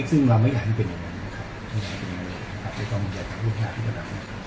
ซึ่งเราไม่อยากให้เป็นอย่างนั้นใช่ไหมคะ